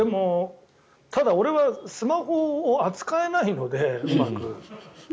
ただ、俺はスマホを扱えないので、うまく。